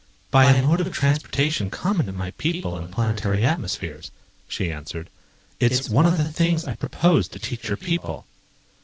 "By a mode of transportation common to my people in planetary atmospheres," she answered. "It's one of the things I propose to teach your people."